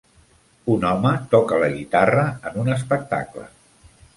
Un home toca la guitarra en un espectacle.